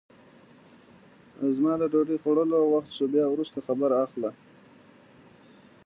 زما د ډوډۍ خوړلو وخت سو بیا وروسته خبر اخله!